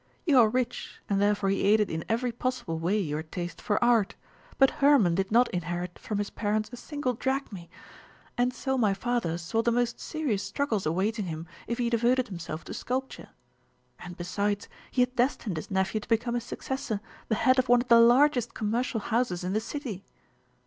You are rich, and therefore he aided in every possible way your taste for art; but Hermon did not inherit from his parents a single drachm, and so my father saw the most serious struggles awaiting him if he devoted himself to sculpture. And, besides, he had destined his nephew to become his successor, the head of one of the largest commercial houses in the city."